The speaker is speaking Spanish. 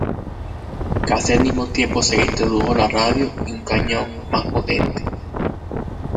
Casi al mismo tiempo se introdujo la radio y un cañón más potente.